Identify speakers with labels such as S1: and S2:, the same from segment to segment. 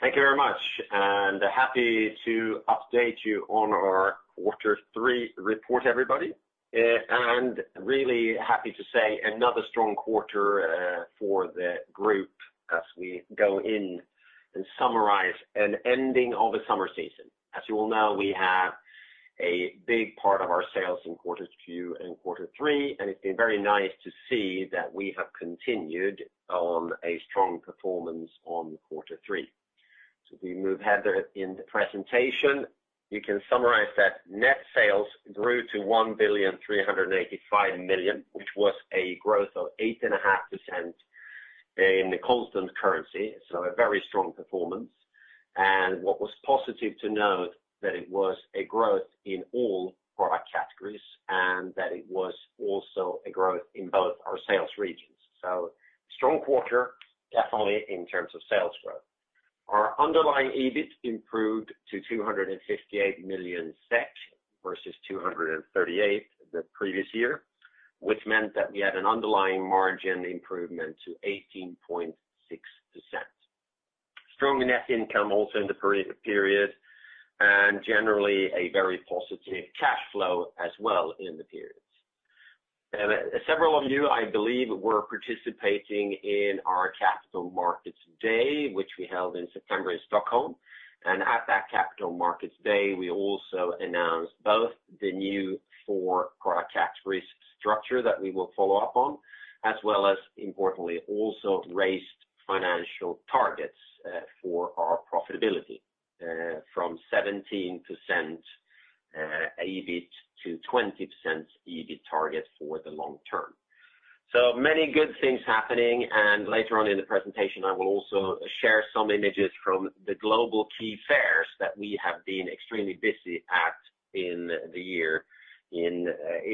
S1: Thank you very much, happy to update you on our quarter three report, everybody. Really happy to say another strong quarter for the group as we go in and summarize an ending of a summer season. As you all know, we have a big part of our sales in quarters two and quarter three, and it's been very nice to see that we have continued on a strong performance on quarter three. If we move ahead in the presentation, you can summarize that net sales grew to 1,385,000,000, which was a growth of 8.5% in the constant currency. A very strong performance. What was positive to note, that it was a growth in all product categories, and that it was also a growth in both our sales regions. Strong quarter, definitely in terms of sales growth. Our underlying EBIT improved to 258 million SEK versus 238 the previous year, which meant that we had an underlying margin improvement to 18.6%. Strong net income also in the period, generally a very positive cash flow as well in the period. Several of you, I believe, were participating in our Capital Markets Day, which we held in September in Stockholm. At that Capital Markets Day, we also announced both the new four product categories structure that we will follow up on, as well as importantly, also raised financial targets for our profitability from 17% EBIT to 20% EBIT target for the long term. Many good things happening, and later on in the presentation I will also share some images from the global key fairs that we have been extremely busy at in the year, in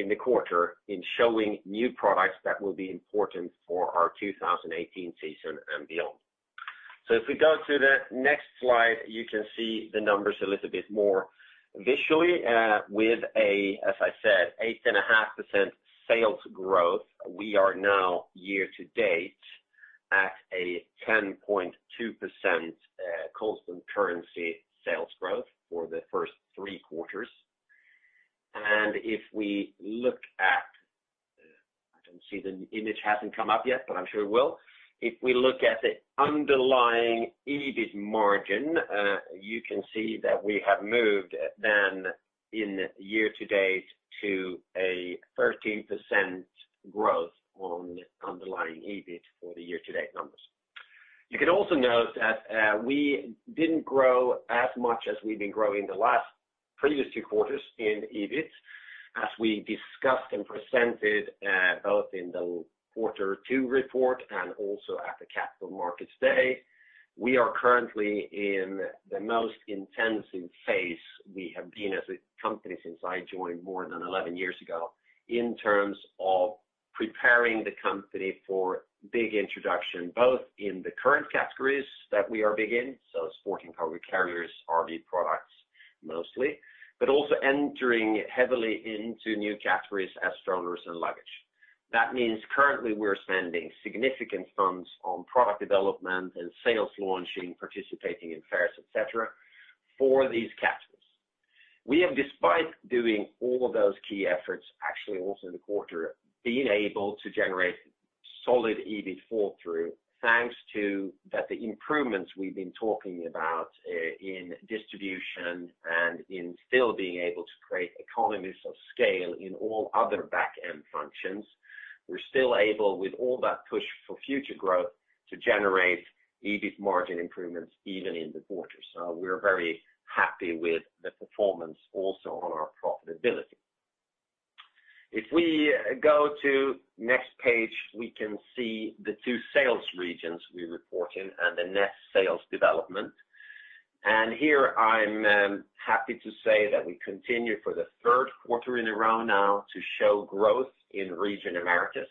S1: the quarter, in showing new products that will be important for our 2018 season and beyond. If we go to the next slide, you can see the numbers a little bit more visually, with a, as I said, 8.5% sales growth. We are now year to date at a 10.2% constant currency sales growth for the first three quarters. If we look at, I don't see the image hasn't come up yet, but I'm sure it will. If we look at the underlying EBIT margin, you can see that we have moved then in year to date to a 13% growth on underlying EBIT for the year to date numbers. You can also note that we didn't grow as much as we've been growing the last previous two quarters in EBIT, as we discussed and presented both in the quarter two report and also at the Capital Markets Day. We are currently in the most intensive phase we have been as a company since I joined more than 11 years ago, in terms of preparing the company for big introduction, both in the current categories that we are big in, so Sport & Cargo Carriers, RV Products mostly, but also entering heavily into new categories as strollers and luggage. That means currently we're spending significant funds on product development and sales launching, participating in fairs, et cetera, for these categories. We have, despite doing all those key efforts, actually also in the quarter, been able to generate solid EBIT fall through, thanks to the improvements we've been talking about in distribution and in still being able to create economies of scale in all other back-end functions. We're still able, with all that push for future growth, to generate EBIT margin improvements even in the quarter. We're very happy with the performance also on our profitability. If we go to next page, we can see the two sales regions we report in and the net sales development. Here I'm happy to say that we continue for the third quarter in a row now to show growth in region Americas.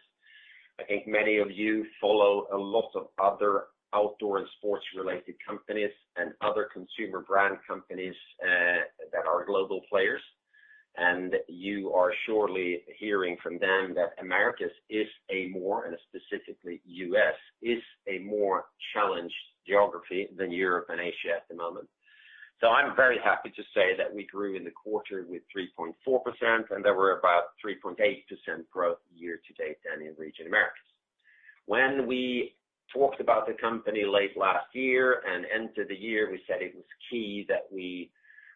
S1: I think many of you follow a lot of other outdoor and sports related companies and other consumer brand companies that are global players. You are surely hearing from them that Americas is a more, and specifically U.S., is a more challenged geography than Europe and Asia at the moment. I'm very happy to say that we grew in the quarter with 3.4%, there were about 3.8% growth year-to-date then in region Americas. When we talked about the company late last year and entered the year, we said it was key that we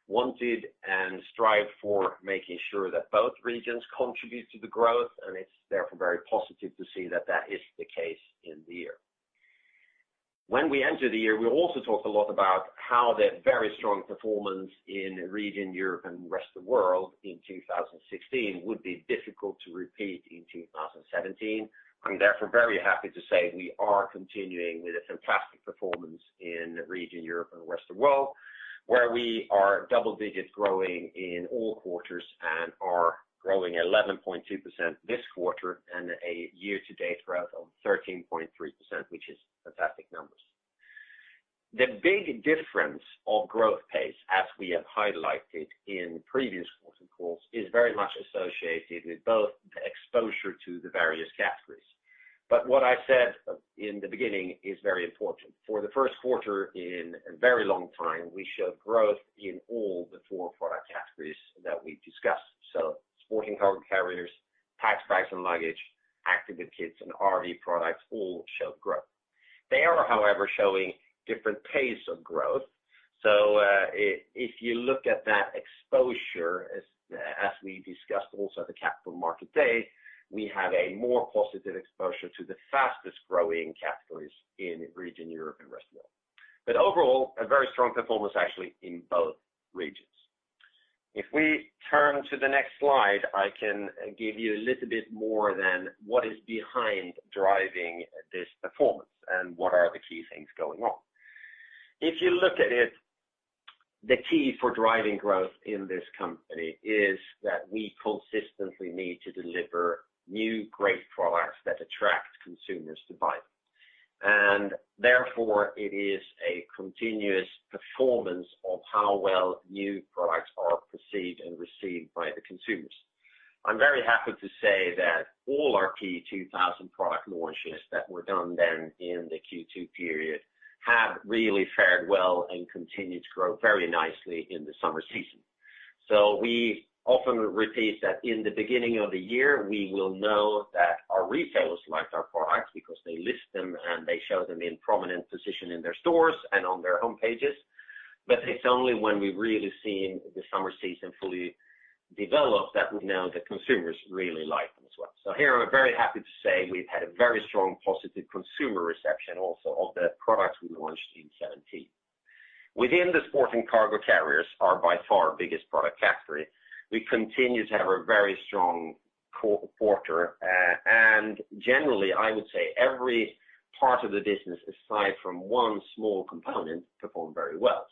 S1: wanted and strived for making sure that both regions contribute to the growth. It's therefore very positive to see that that is the case in the year. When we entered the year, we also talked a lot about how the very strong performance in region Europe and rest of world in 2016 would be difficult to repeat in 2017. I'm therefore very happy to say we are continuing with a fantastic performance in region Europe and rest of world, where we are double digits growing in all quarters and are growing 11.2% this quarter and a year-to-date growth of 13.3%, which is fantastic numbers. The big difference of growth pace, as we have highlighted in previous quarter calls, is very much associated with both the exposure to the various categories. What I said in the beginning is very important. For the first quarter, in a very long time, we showed growth in all the four product categories that we've discussed. Sport & Cargo Carriers, Packs, Bags & Luggage, Active with Kids and RV Products all showed growth. They are, however, showing different pace of growth. If you look at that exposure, as we discussed also at the Capital Markets Day, we have a more positive exposure to the fastest-growing categories in region Europe and rest of world. Overall, a very strong performance actually in both regions. If we turn to the next slide, I can give you a little bit more than what is behind driving this performance and what are the key things going on. If you look at it, the key for driving growth in this company is that we consistently need to deliver new great products that attract consumers to buy them. Therefore, it is a continuous performance of how well new products are perceived and received by the consumers. I'm very happy to say that all our P2000 product launches that were done then in the Q2 period have really fared well and continued to grow very nicely in the summer season. We often repeat that in the beginning of the year, we will know that our retailers like our products because they list them and they show them in prominent position in their stores and on their homepages. It's only when we've really seen the summer season fully develop that we know the consumers really like them as well. Here I'm very happy to say we've had a very strong positive consumer reception also of the products we launched in 2017. Within the Sport & Cargo Carriers, our by far biggest product category, we continue to have a very strong quarter. Generally, I would say every part of the business, aside from one small component, performed very well.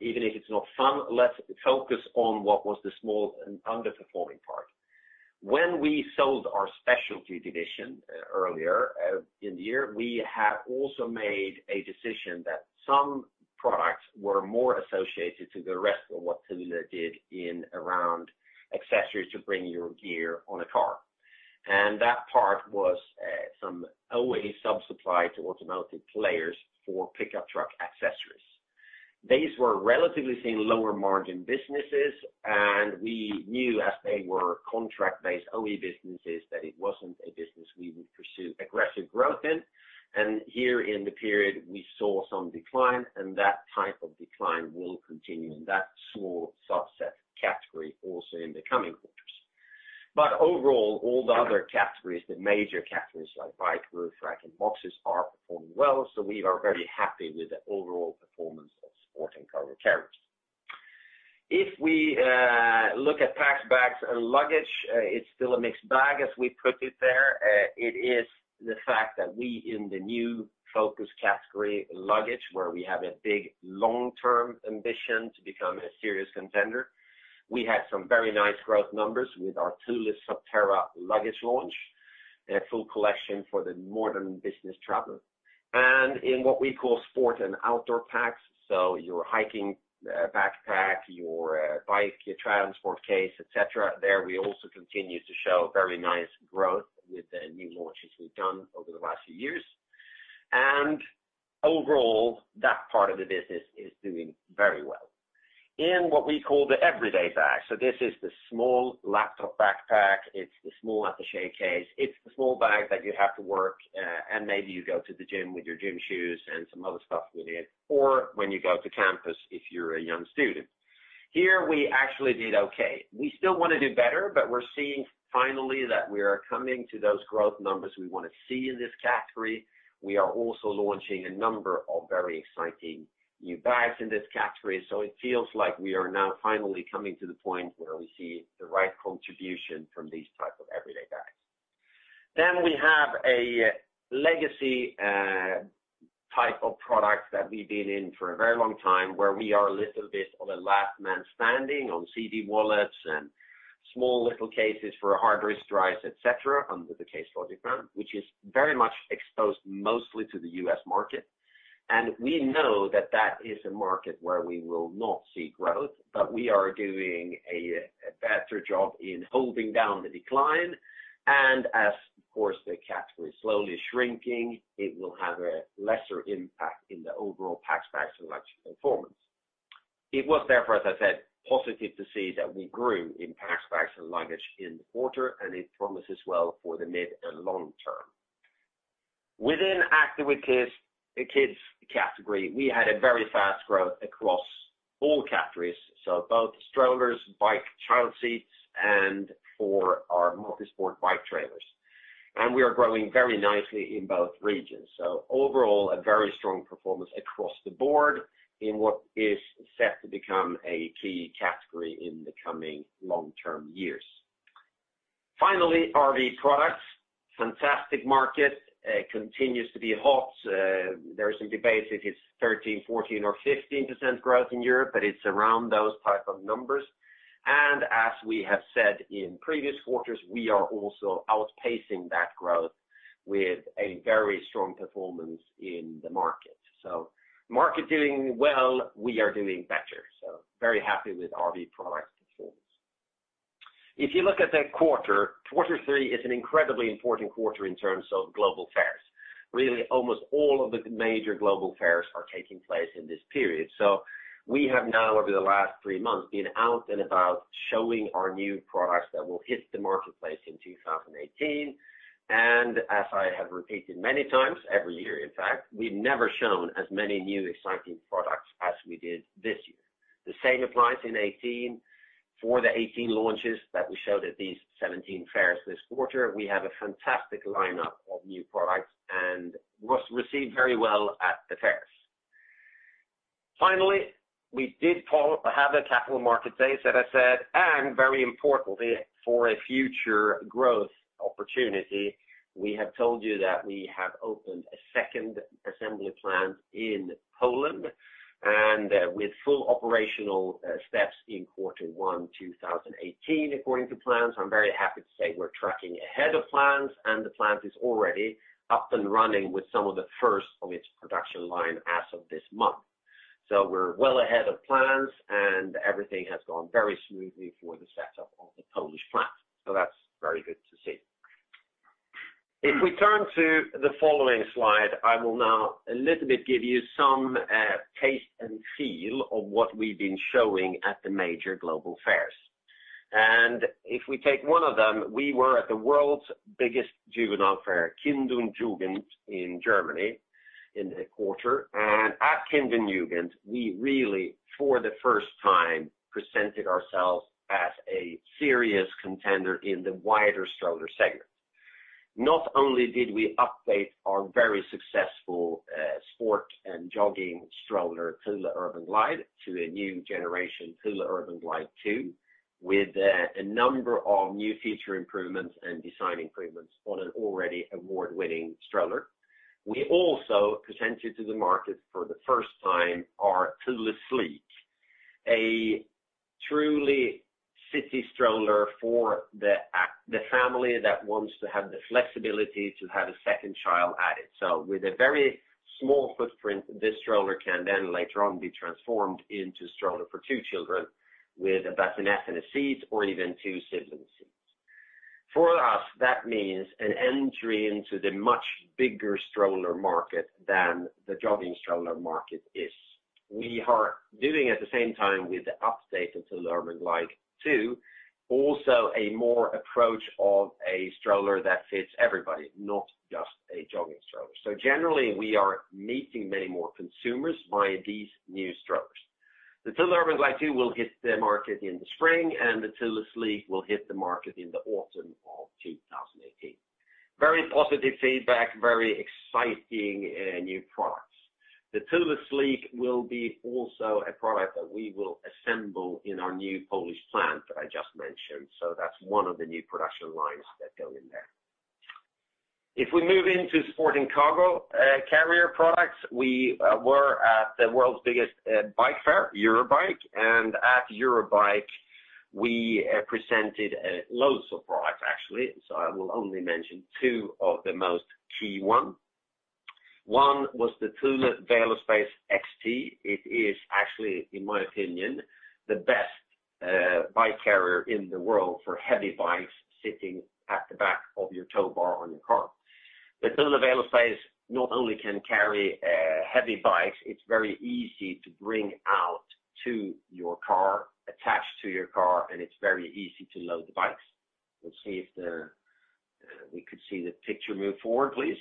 S1: Even if it's not fun, let's focus on what was the small and underperforming part. When we sold our specialty division earlier in the year, we had also made a decision that some products were more associated to the rest of what Thule did in around accessories to bring your gear on a car. That part was some OE sub-supply to automotive players for pickup truck accessories. These were relatively seen lower margin businesses, and we knew as they were contract-based OE businesses, that it wasn't a business we would pursue aggressive growth in. Here in the period we saw some decline, and that type of decline will continue in that small subset category also in the coming quarters. Overall, all the other categories, the major categories like bike roof rack and boxes are performing well. We are very happy with the overall performance of Sport & Cargo Carriers. If we look at Packs, Bags & Luggage, it's still a mixed bag as we put it there. It is the fact that we in the new focus category luggage, where we have a big long-term ambition to become a serious contender. We had some very nice growth numbers with our Thule Subterra luggage launch, a full collection for the modern business traveler. In what we call sport and outdoor packs, so your hiking backpack, your bike, your transport case, et cetera, there we also continue to show very nice growth with the new launches we've done over the last few years. Overall, that part of the business is doing very well. In what we call the everyday bag, so this is the small laptop backpack, it's the small attaché case, it's the small bag that you have to work, and maybe you go to the gym with your gym shoes and some other stuff with you, or when you go to campus, if you're a young student. Here, we actually did okay. We still want to do better, but we're seeing finally that we are coming to those growth numbers we want to see in this category. We are also launching a number of very exciting new bags in this category. It feels like we are now finally coming to the point where we see the right contribution from these type of everyday bags. We have a legacy type of product that we've been in for a very long time, where we are a little bit of a last man standing on CD wallets and small little cases for hard disk drives, et cetera, under the Case Logic brand, which is very much exposed mostly to the U.S. market. We know that that is a market where we will not see growth, but we are doing a better job in holding down the decline. As, of course, the category is slowly shrinking, it will have a lesser impact in the overall Packs, Bags & Luggage performance. It was therefore, as I said, positive to see that we grew in Packs, Bags & Luggage in the quarter, and it promises well for the mid and long term. Within Active with Kids category, we had a very fast growth across all categories, so both strollers, child bike seats, and for our multisport bike trailers. We are growing very nicely in both regions. Overall, a very strong performance across the board in what is set to become a key category in the coming long-term years. Finally, RV Products, fantastic market, continues to be hot. There is some debate if it's 13%, 14% or 15% growth in Europe, but it's around those type of numbers. As we have said in previous quarters, we are also outpacing that growth with a very strong performance in the market. Market doing well, we are doing better. Very happy with RV Products performance. If you look at the quarter, Q3 is an incredibly important quarter in terms of global fairs. Almost all of the major global fairs are taking place in this period. We have now, over the last three months, been out and about showing our new products that will hit the marketplace in 2018. As I have repeated many times every year, in fact, we've never shown as many new exciting products as we did this year. The same applies in 2018. For the 2018 launches that we showed at these 2017 fairs this quarter, we have a fantastic lineup of new products and was received very well at the fairs. Finally, we did have a Capital Markets Day, as I said, and very importantly, for a future growth opportunity, we have told you that we have opened a second assembly plant in Poland, and with full operational steps in Q1 2018, according to plans. I'm very happy to say we're tracking ahead of plans and the plant is already up and running with some of the first of its production line as of this month. We're well ahead of plans, and everything has gone very smoothly for the setup of the Polish plant. That's very good to see. If we turn to the following slide, I will now a little bit give you some taste and feel of what we've been showing at the major global fairs. If we take one of them, we were at the world's biggest juvenile fair, Kind + Jugend in Germany in the quarter. At Kind + Jugend, we really, for the first time, presented ourselves as a serious contender in the wider stroller segment. Not only did we update our very successful sport and jogging stroller, Thule Urban Glide, to a new generation, Thule Urban Glide 2, with a number of new feature improvements and design improvements on an already award-winning stroller. We also presented to the market for the first time our Thule Sleek, a truly city stroller for the family that wants to have the flexibility to have a second child added. With a very small footprint, this stroller can then later on be transformed into a stroller for two children with a bassinet and a seat or even two sibling seats. For us, that means an entry into the much bigger stroller market than the jogging stroller market is. We are doing at the same time with the update of Thule Urban Glide 2, also a more approach of a stroller that fits everybody, not just a jogging stroller. Generally, we are meeting many more consumers via these new strollers. The Thule Urban Glide 2 will hit the market in the spring, and the Thule Sleek will hit the market in the autumn of 2018. Very positive feedback, very exciting new products. The Thule Sleek will be also a product that we will assemble in our new Polish plant that I just mentioned. That's one of the new production lines that go in there. If we move into sport and cargo carrier products, we were at the world's biggest bike fair, Eurobike, and at Eurobike, we presented loads of products, actually. I will only mention two of the most key one. One was the Thule VeloSpace XT. It is actually, in my opinion, the best bike carrier in the world for heavy bikes sitting at the back of your tow bar on your car. The Thule VeloSpace not only can carry heavy bikes, it's very easy to bring out to your car, attached to your car, and it's very easy to load the bikes. We could see the picture move forward, please.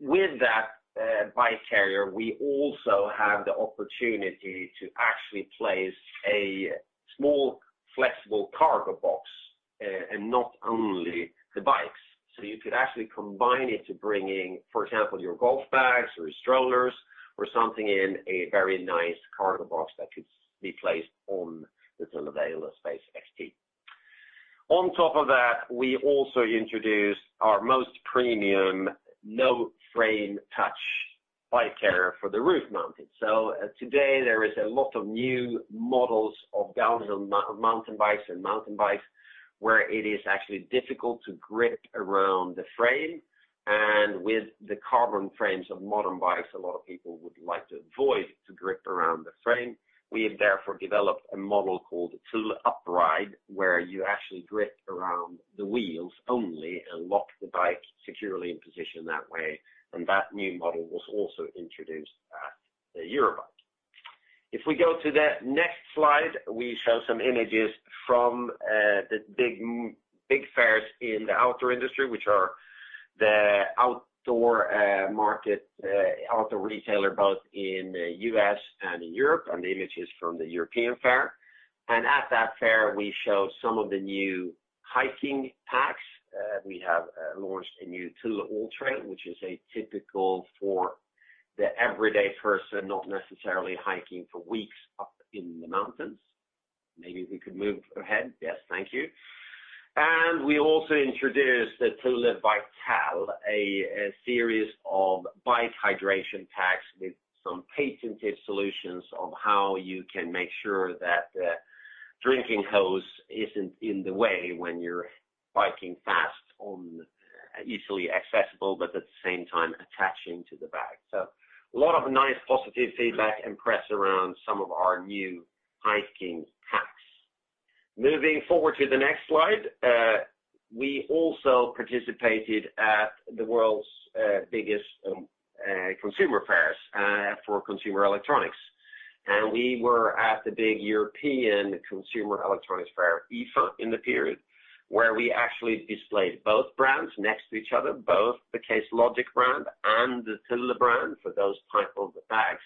S1: With that bike carrier, we also have the opportunity to actually place a small, flexible cargo box, and not only the bikes. You could actually combine it to bring in, for example, your golf bags or your strollers or something in a very nice cargo box that could be placed on the Thule VeloSpace XT. On top of that, we also introduced our most premium no-frame touch bike carrier for the roof mounting. Today there is a lot of new models of downhill mountain bikes and mountain bikes where it is actually difficult to grip around the frame. With the carbon frames of modern bikes, a lot of people would like to avoid to grip around the frame. We have therefore developed a model called Thule UpRide, where you actually grip around the wheels only and lock the bike securely in position that way, and that new model was also introduced at the Eurobike. We go to the next slide, we show some images from the big fairs in the outdoor industry, which are the OutDoor, Outdoor Retailer, both in the U.S. and in Europe, and the image is from the European fair. At that fair, we show some of the new hiking packs. We have launched a new Thule AllTrail, which is a typical for the everyday person, not necessarily hiking for weeks up in the mountains. Maybe we could move ahead. Yes. Thank you. We also introduced the Thule Vital, a series of bike hydration packs with some patented solutions of how you can make sure that the drinking hose isn't in the way when you're biking fast on easily accessible, but at the same time attaching to the bag. A lot of nice positive feedback and press around some of our new hiking packs. Moving forward to the next slide, we also participated at the world's biggest consumer fairs for consumer electronics. We were at the big European consumer electronics fair, IFA, in the period where we actually displayed both brands next to each other, both the Case Logic brand and the Thule brand for those type of bags.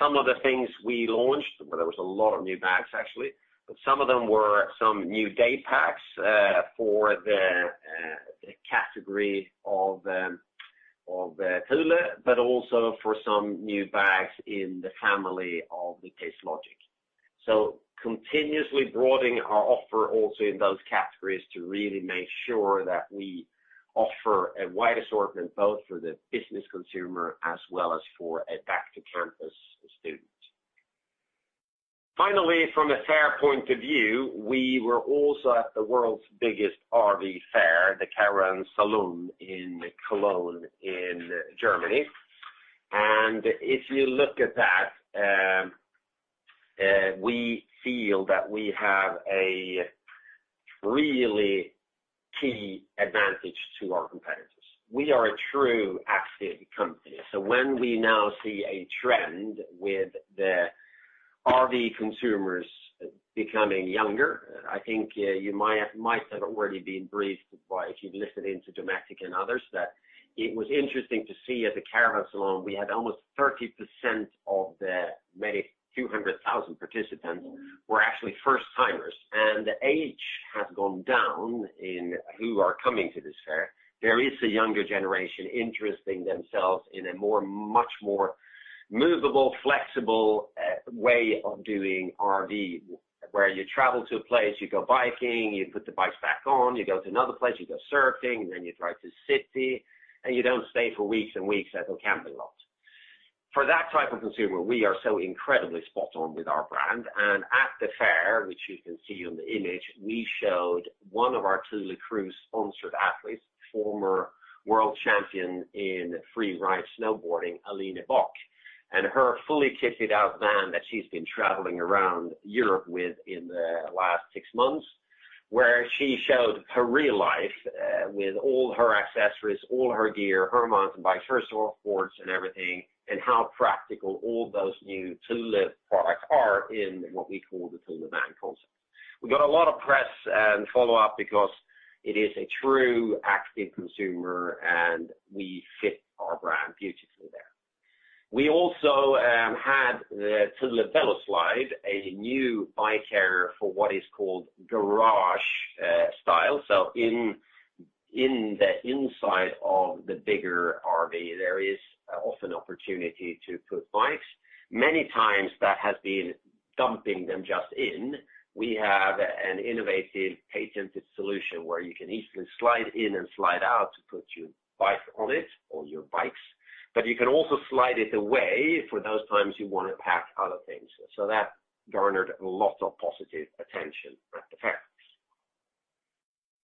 S1: Some of the things we launched, there was a lot of new bags actually, but some of them were some new day packs for the category of Thule, but also for some new bags in the family of the Case Logic. Continuously broadening our offer also in those categories to really make sure that we offer a wide assortment both for the business consumer as well as for a back-to-campus student. Finally, from a fair point of view, we were also at the world's biggest RV fair, the Caravan Salon in Cologne, in Germany. If you look at that, we feel that we have a really key advantage to our competitors. We are a true active company. When we now see a trend with the RV consumers becoming younger, I think you might have already been briefed by, if you've listened into Dometic and others, that it was interesting to see at the Caravan Salon, we had almost 30% of the many few hundred thousand participants were actually first-timers. Age has gone down in who are coming to this fair. There is a younger generation interesting themselves in a much more movable, flexible way of doing RV, where you travel to a place, you go biking, you put the bikes back on, you go to another place, you go surfing, then you drive to the city, and you don't stay for weeks and weeks at a camping lot. For that type of consumer, we are so incredibly spot on with our brand. At the fair, which you can see on the image, we showed one of our Thule Crew sponsored athletes, former world champion in free ride snowboarding, Aline Bock, and her fully kitted out van that she's been traveling around Europe with in the last six months. Where she showed her real life with all her accessories, all her gear, her mountain bikes, her snowboards and everything, and how practical all those new Thule products are in what we call the Thule van concept. We got a lot of press and follow-up because it is a true active consumer and we fit our brand beautifully there. We also had the Thule VeloSlide, a new bike carrier for what is called garage style. In the inside of the bigger RV, there is often opportunity to put bikes. Many times that has been dumping them just in. We have an innovative patented solution where you can easily slide in and slide out to put your bike on it or your bikes, but you can also slide it away for those times you want to pack other things. So that garnered lots of positive attention at the fairs.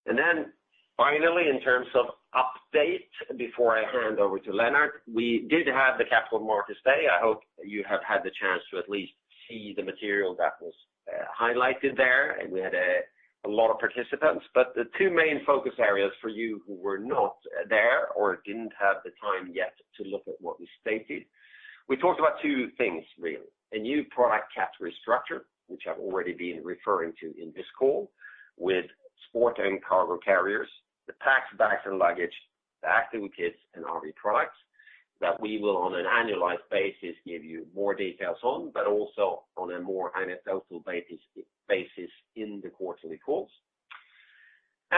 S1: Then finally, in terms of update, before I hand over to Lennart, we did have the Capital Markets Day. I hope you have had the chance to at least see the material that was highlighted there. We had a lot of participants, but the two main focus areas for you who were not there or didn't have the time yet to look at what we stated. We talked about two things really, a new product category structure, which I've already been referring to in this call with Sport & Cargo Carriers, the Packs, Bags & Luggage, the Active with Kids and RV Products that we will on an annualized basis give you more details on, but also on a more anecdotal basis in the quarterly calls.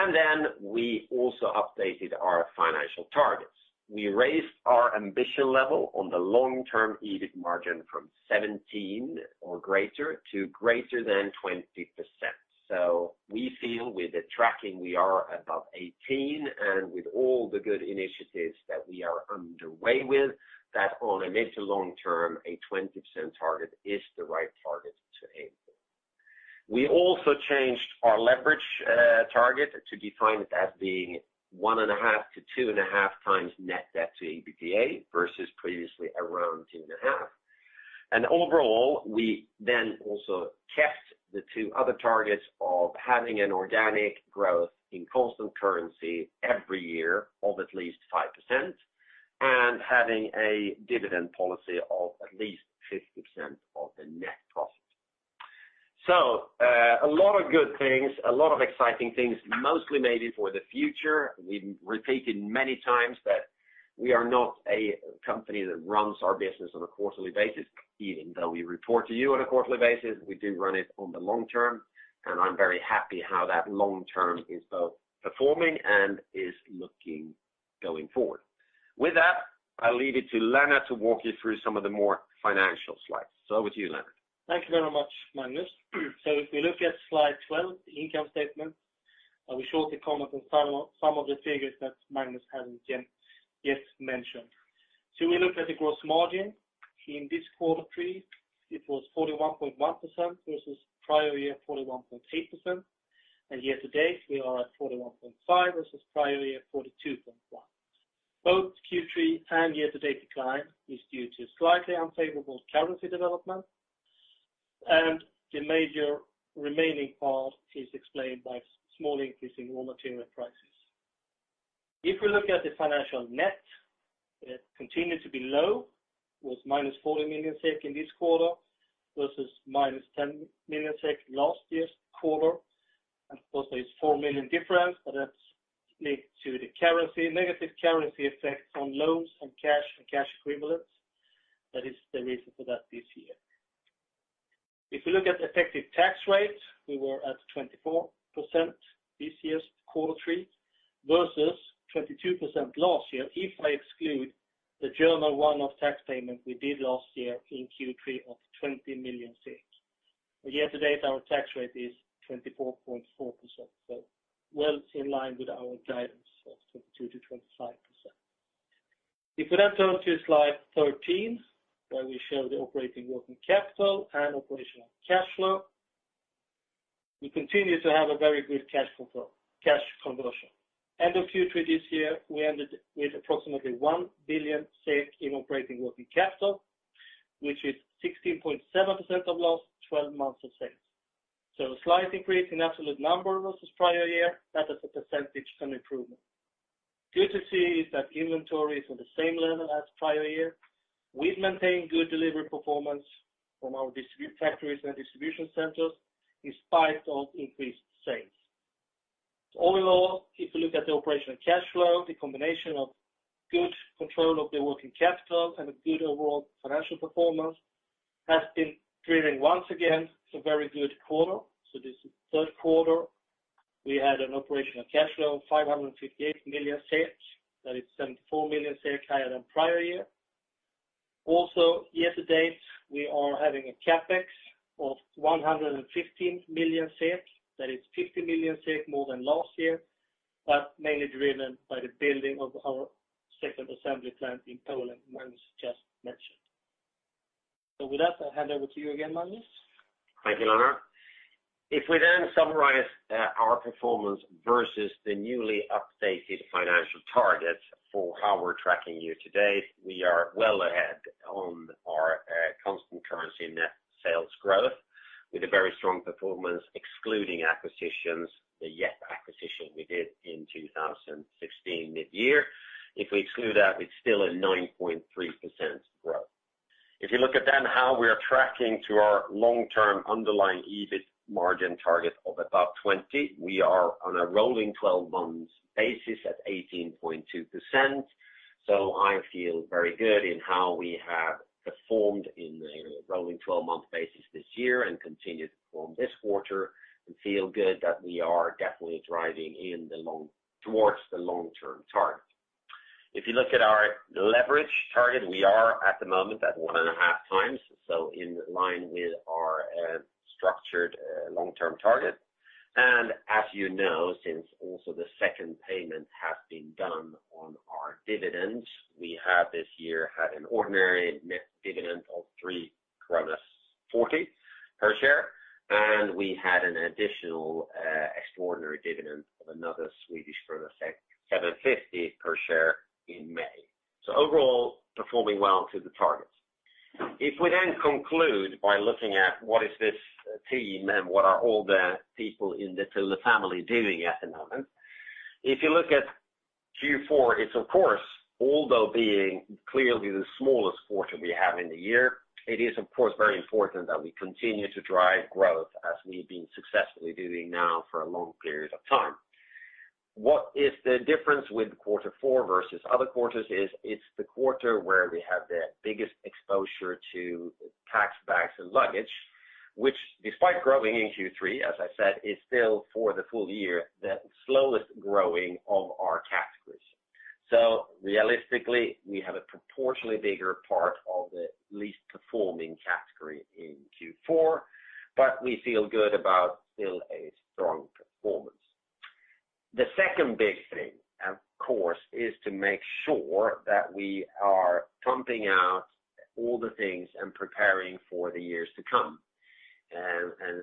S1: Then we also updated our financial targets. We raised our ambition level on the long-term EBIT margin from 17% or greater to greater than 20%. So we feel with the tracking we are above 18% and with all the good initiatives that we are underway with, that on a mid to long term, a 20% target is the right target to aim for. We also changed our leverage target to define it as being one and a half to two and a half times net debt to EBITDA versus previously around two and a half. Overall, we then also kept the two other targets of having an organic growth in constant currency every year of at least 5% and having a dividend policy of at least 50% of the net profit. So a lot of good things, a lot of exciting things, mostly maybe for the future. We've repeated many times that we are not a company that runs our business on a quarterly basis, even though we report to you on a quarterly basis. We do run it on the long term, and I'm very happy how that long term is both performing and is looking going forward. With that, I'll leave it to Lennart to walk you through some of the more financial slides. Over to you, Lennart.
S2: Thank you very much, Magnus. If we look at slide 12, the income statement, I will shortly comment on some of the figures that Magnus hasn't yet mentioned. We look at the gross margin. In this quarter, it was 41.1% versus prior year, 41.8%. Year-to-date, we are at 41.5% versus prior year, 42.1%. Both Q3 and year-to-date decline is due to slightly unfavorable currency development, the major remaining part is explained by small increase in raw material prices. If we look at the financial net, it continued to be low, with minus 14 million SEK in this quarter versus minus 10 million SEK last year's quarter. Of course, there is 4 million difference, but that's linked to the negative currency effects on loans and cash equivalents. That is the reason for that this year. If we look at effective tax rates, we were at 24% this year's Q3 versus 22% last year, if I exclude the German one-off tax payment we did last year in Q3 of 20 million. Year-to-date, our tax rate is 24.4%, well in line with our guidance of 22%-25%. If we turn to slide 13, where we show the operating working capital and operational cash flow, we continue to have a very good cash conversion. End of Q3 this year, we ended with approximately 1 billion in operating working capital, which is 16.7% of last 12 months of sales. A slight increase in absolute number versus prior year. That is a percentage and improvement. Good to see is that inventory is on the same level as prior year. We've maintained good delivery performance from our factories and distribution centers in spite of increased sales. Overall, if you look at the operational cash flow, the combination of good control of the working capital and a good overall financial performance has been driven once again to a very good quarter. This is third quarter, we had an operational cash flow of 558 million. That is 74 million higher than prior year. Year-to-date, we are having a CapEx of 115 million. That is 50 million more than last year, but mainly driven by the building of our second assembly plant in Poland, Magnus just mentioned. With that, I'll hand over to you again, Magnus.
S1: Thank you, Lennart. If we summarize our performance versus the newly updated financial target for how we're tracking year-to-date, we are well ahead on our constant currency net sales growth with a very strong performance excluding acquisitions, the Yepp acquisition we did in 2016 mid-year. If we exclude that, it's still a 9.3% growth. If you look at how we are tracking to our long-term underlying EBIT margin target of above 20%, we are on a rolling 12 months basis at 18.2%. I feel very good in how we have performed in a rolling 12 month basis this year and continue to perform this quarter and feel good that we are definitely driving towards the long-term target. If you look at our leverage target, we are at the moment at 1.5 times, in line with our structured long-term target. As you know, since also the second payment has been done on our dividends, we have this year had an ordinary net dividend of 3.40 kronor per share. We had an additional extraordinary dividend of another 7.50 per share in May. Overall, performing well to the targets. We conclude by looking at what is this team and what are all the people in the Thule family doing at the moment? Looking at Q4, it is of course, although being clearly the smallest quarter we have in the year, it is of course very important that we continue to drive growth as we've been successfully doing now for a long period of time. What is the difference with quarter four versus other quarters is it's the quarter where we have the biggest exposure to Packs, Bags & Luggage, which despite growing in Q3, as I said, is still for the full year, the slowest-growing of our categories. Realistically, we have a proportionally bigger part of the least performing category in Q4. We feel good about still a strong performance. The second big thing, of course, is to make sure that we are pumping out all the things and preparing for the years to come,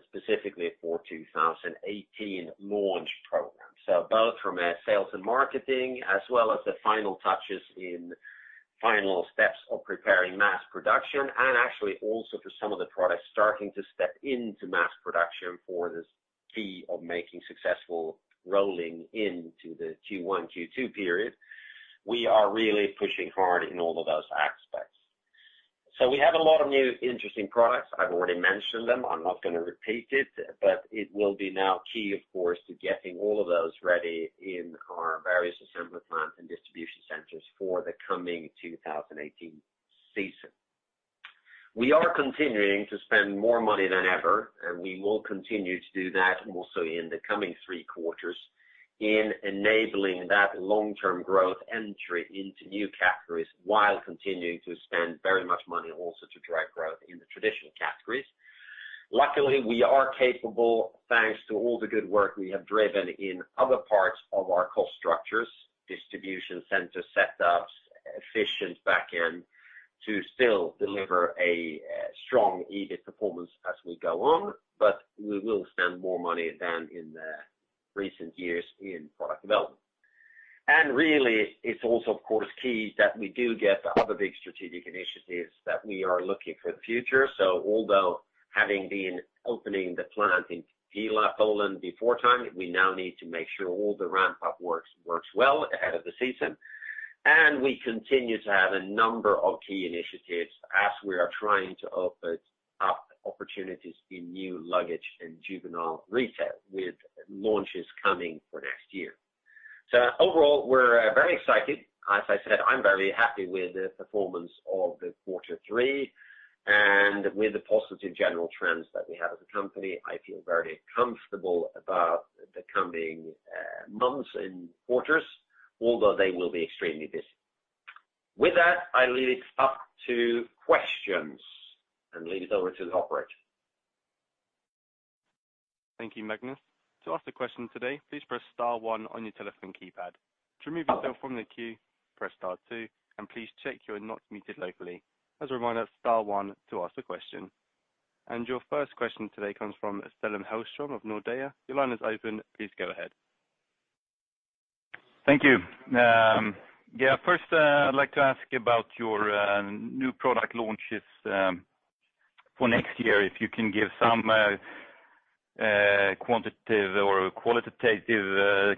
S1: specifically for 2018 launch program. Both from a sales and marketing as well as the final touches in final steps of preparing mass production and actually also for some of the products starting to step into mass production for this key of making successful rolling into the Q1, Q2 period. We are really pushing hard in all of those aspects. We have a lot of new interesting products. I've already mentioned them. I'm not going to repeat it. It will be now key, of course, to getting all of those ready in our various assembly plants and distribution centers for the coming 2018 season. We are continuing to spend more money than ever. We will continue to do that also in the coming three quarters in enabling that long-term growth entry into new categories while continuing to spend very much money also to drive growth in the traditional categories. Luckily, we are capable, thanks to all the good work we have driven in other parts of our cost structures, distribution center setups, efficient back-end, to still deliver a strong EBIT performance as we go on. We will spend more money than in the recent years in product development. Really, it's also of course key that we do get the other big strategic initiatives that we are looking for the future. Although having been opening the plant in Piła, Poland before time, we now need to make sure all the ramp-up works well ahead of the season. We continue to have a number of key initiatives as we are trying to open up opportunities in new luggage and juvenile retail, with launches coming for next year. Overall, we're very excited. As I said, I'm very happy with the performance of the quarter three and with the positive general trends that we have as a company, I feel very comfortable about the coming months and quarters, although they will be extremely busy. With that, I leave it up to questions and leave it over to the operator.
S3: Thank you, Magnus. To ask the question today, please press star one on your telephone keypad. To remove yourself from the queue, press star two, and please check you're not muted locally. As a reminder, star one to ask the question. Your first question today comes from Stellan Hellström of Nordea. Your line is open. Please go ahead.
S4: Thank you. First, I'd like to ask about your new product launches for next year. If you can give some quantitative or qualitative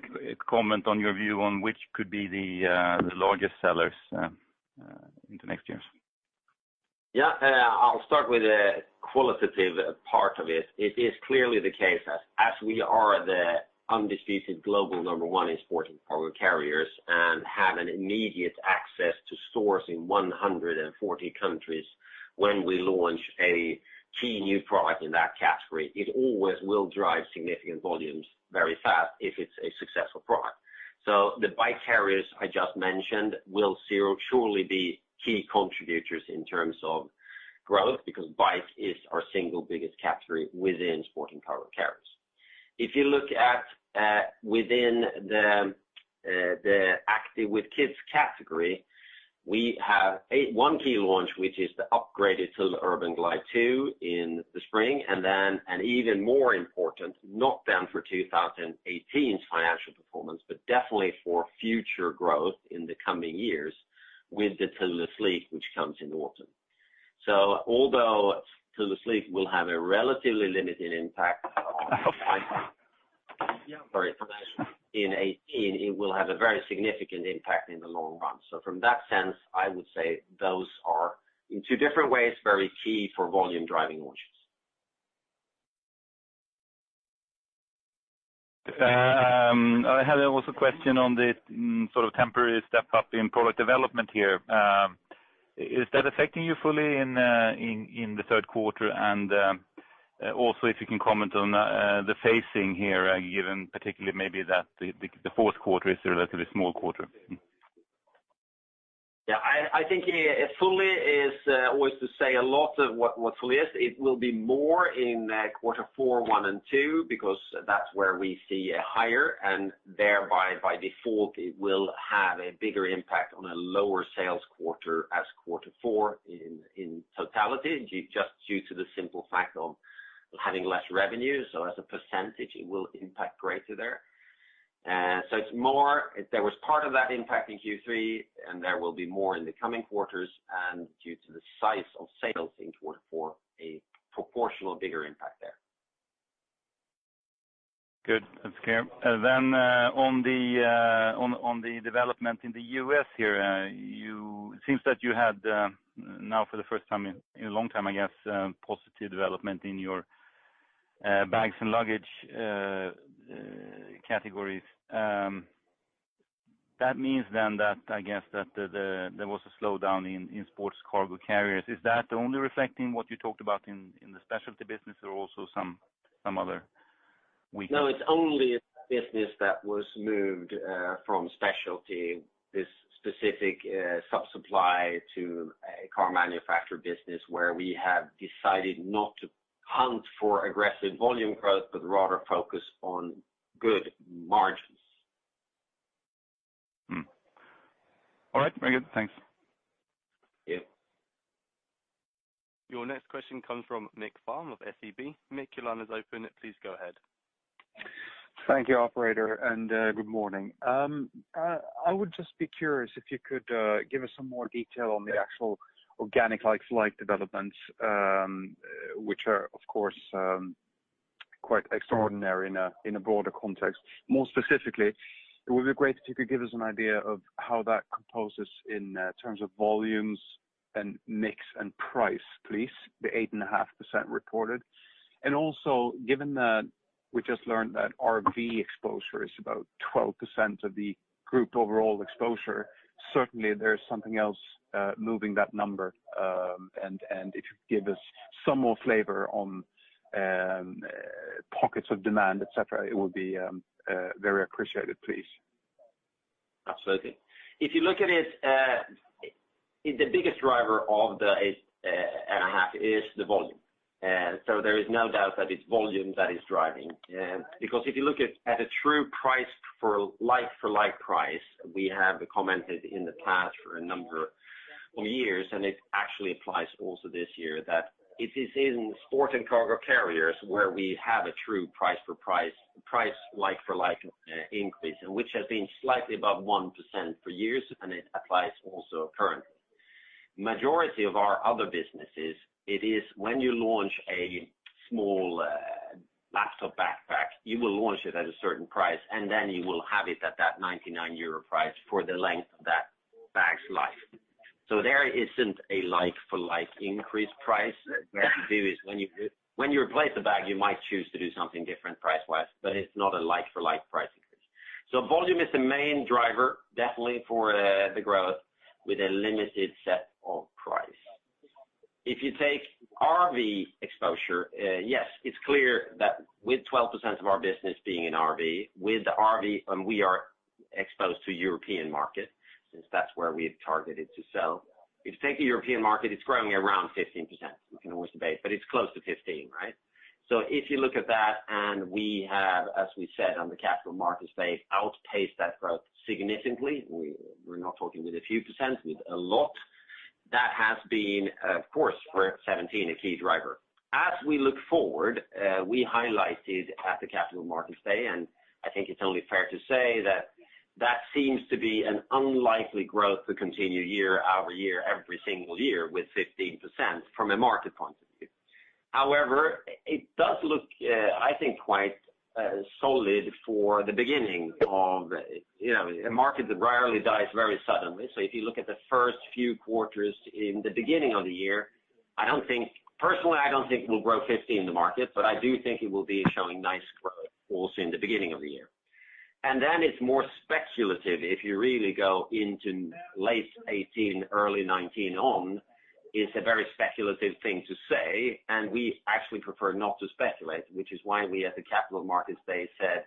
S4: comment on your view on which could be the largest sellers in the next years.
S1: I'll start with the qualitative part of it. It is clearly the case as we are the undisputed global number one in Sport & Cargo Carriers and have an immediate access to stores in 140 countries, when we launch a key new product in that category, it always will drive significant volumes very fast if it's a successful product. The bike carriers I just mentioned will surely be key contributors in terms of growth because bike is our single biggest category within Sport & Cargo Carriers. If you look at within the Active with Kids category, we have one key launch, which is the upgraded Thule Urban Glide 2 in the spring, and then an even more important, not then for 2018's financial performance, but definitely for future growth in the coming years with the Thule Sleek, which comes in autumn. Although Thule Sleek will have a relatively limited impact in 2018, it will have a very significant impact in the long run. From that sense, I would say those are, in two different ways, very key for volume-driving launches.
S4: I had also a question on the sort of temporary step-up in product development here. Is that affecting you fully in the third quarter? Also if you can comment on the phasing here, given particularly maybe that the fourth quarter is a relatively small quarter.
S1: I think fully is always to say a lot of what fully is. It will be more in quarter four, one, and two, because that's where we see a higher, and thereby by default, it will have a bigger impact on a lower sales quarter as quarter four in totality, just due to the simple fact of having less revenue. As a percentage, it will impact greater there. There was part of that impact in Q3, and there will be more in the coming quarters, and due to the size of sales in quarter four, a proportional bigger impact there.
S4: Good. That's clear. On the development in the U.S. here, seems that you had, now for the first time in a long time, I guess, positive development in your bags and luggage categories. That means then that, I guess that there was a slowdown in Sport & Cargo Carriers. Is that only reflecting what you talked about in the specialty business or also some other weakness?
S1: No, it's only a business that was moved from specialty, this specific sub-supply to a car manufacturer business where we have decided not to hunt for aggressive volume growth, but rather focus on good margins.
S4: All right. Very good. Thanks.
S1: Yeah.
S3: Your next question comes from Niklas Fhärm of SEB. Nick, your line is open. Please go ahead.
S5: Thank you, operator, and good morning. I would just be curious if you could give us some more detail on the actual organic like-to-like developments, which are, of course, quite extraordinary in a broader context. More specifically, it would be great if you could give us an idea of how that composes in terms of volumes and mix and price, please, the 8.5% reported. Also, given that we just learned that RV exposure is about 12% of the group overall exposure, certainly there's something else moving that number. If you give us some more flavor on pockets of demand, et cetera, it would be very appreciated, please.
S1: Absolutely. If you look at it, the biggest driver of the 8.5 is the volume. There is no doubt that it's volume that is driving. If you look at the true price for like-for-like price, we have commented in the past for a number of years, and it actually applies also this year, that it is in Sport & Cargo Carriers where we have a true price for price like-for-like increase, which has been slightly above 1% for years, and it applies also currently. Majority of our other businesses, it is when you launch a small laptop backpack, you will launch it at a certain price, and then you will have it at that SEK 99 price for the length of that bag's life. There isn't a like-for-like increase price. What you do is when you replace the bag, you might choose to do something different price-wise, but it's not a like-for-like price increase. Volume is the main driver, definitely for the growth with a limited set of price. If you take RV exposure, yes, it's clear that with 12% of our business being in RV, with the RV, and we are exposed to European market, since that's where we've targeted to sell. If you take the European market, it's growing around 15%. We can always debate, but it's close to 15, right? If you look at that, and we have, as we said, on the Capital Markets Day, outpaced that growth significantly. We're not talking with a few percent, with a lot. That has been, of course, for 2017, a key driver. As we look forward, we highlighted at the Capital Markets Day, I think it's only fair to say that seems to be an unlikely growth to continue year-over-year, every single year, with 15% from a market point of view. However, it does look, I think, quite solid for the beginning of a market that rarely dies very suddenly. If you look at the first few quarters in the beginning of the year, personally, I don't think we'll grow 15% in the market, I do think it will be showing nice growth also in the beginning of the year. Then it's more speculative if you really go into late 2018, early 2019 on, it's a very speculative thing to say, and we actually prefer not to speculate, which is why we at the Capital Markets Day said,